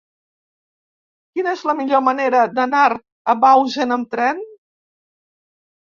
Quina és la millor manera d'anar a Bausen amb tren?